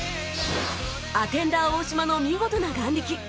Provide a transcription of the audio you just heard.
アテンダー大島の見事な眼力